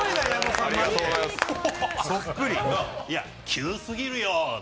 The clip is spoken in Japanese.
いや、急すぎるよ。